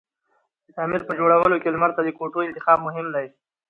د تعمير په جوړولو کی لمر ته کوتو انتخاب مهم دی